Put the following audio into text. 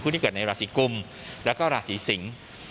ที่เกิดในราศีกุมและราศีสิง